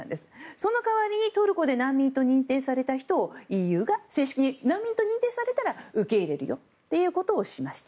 その代わりにトルコで難民と認定された人がＥＵが正式に難民と認定されたら受け入れるということをしました。